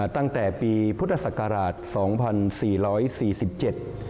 ตั้งแต่ปีพุทธศักราชสองพันสี่ร้อยสี่สิบเจ็ด